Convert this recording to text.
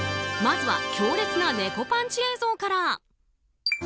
まずは、強烈な猫パンチ映像から。